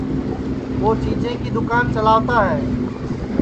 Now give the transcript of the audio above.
ٻوچیجیں کی دوکان چلاوتا ہے